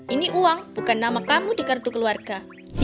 ini uang bukan nama kamu di kartu keluarga